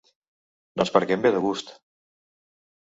Doncs perquè em ve de gust.